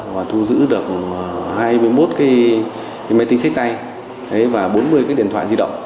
và thu giữ được hai mươi một máy tính xếp tay và bốn mươi điện thoại di động